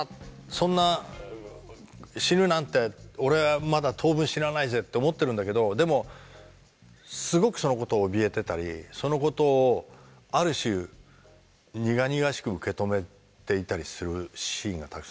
そんな死ぬなんて俺はまだ当分死なないぜ」って思ってるんだけどでもすごくそのことをおびえてたりそのことをある種苦々しく受け止めていたりするシーンがたくさんあるわけよ。